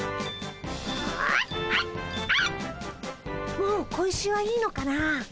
もう小石はいいのかな。